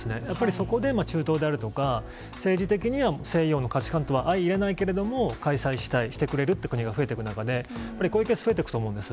そこで中東であるとか、政治的には西洋の価値観とは相いれないけれども、開催したい、してくれるっていう国が増えてくる中で、こういうケース増えていくと思うんです。